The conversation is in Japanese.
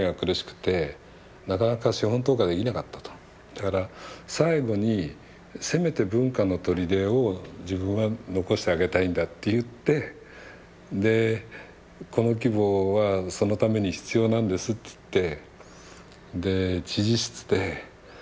だから最後にせめて文化のとりでを自分は残してあげたいんだって言ってでこの規模はそのために必要なんですっつってで知事室で頭下げられたんですよ